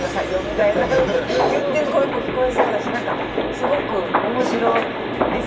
みたいなこと言ってる声も聞こえそうだし何かすごく面白いですね。